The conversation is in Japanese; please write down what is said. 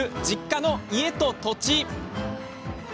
実家の家と土地。